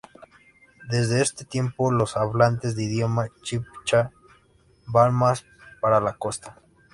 Desde este tiempo, los hablantes de idioma Chibcha van más para la costa.